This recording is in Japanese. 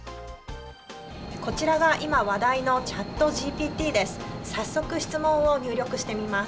こちらが今話題のチャットＧＰＴです。